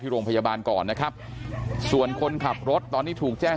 โรงพยาบาลก่อนนะครับส่วนคนขับรถตอนนี้ถูกแจ้ง